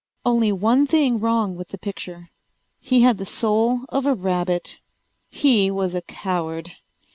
Only one thing wrong with the picture. He had the soul of a rabbit. He was a coward.